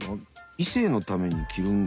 異性のために着るんですか？